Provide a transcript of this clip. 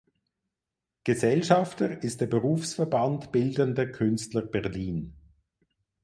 Gesellschafter ist der berufsverband bildender künstler berlin.